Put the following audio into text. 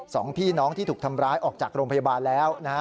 สองพี่น้องที่ถูกทำร้ายออกจากโรงพยาบาลแล้วนะฮะ